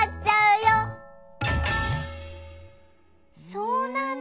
そうなんだ。